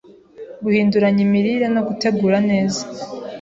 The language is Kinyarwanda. Guhinduranya imirire no gutegura neza —